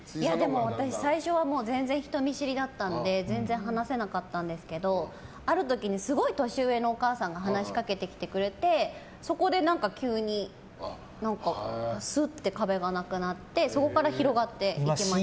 私、最初は全然人見知りだったので全然話せなかったんですけどある時にすごい年上のお母さんが話しかけてきてくれてそこで急にすって壁がなくなってそこから広がっていきました。